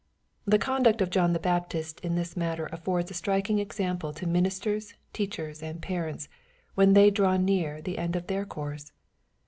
The conduct of John the Baptist in this matter affords a striking example to ministers, teachers, and parents, when they draw near the end of their course.